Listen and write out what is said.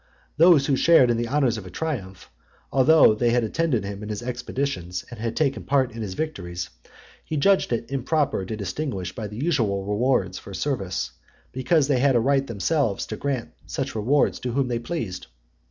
Those who shared in the honours of a triumph, although they had attended him in his expeditions, and taken part in his victories, he judged it improper to distinguish by the usual rewards for service, because they had a right themselves to grant such rewards to whom they pleased.